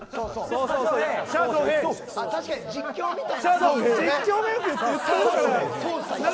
確かに実況みたい。